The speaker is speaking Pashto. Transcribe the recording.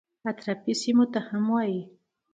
اطرافي سیمو ته هم وایي.